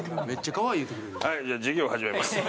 はいじゃあ授業始めます。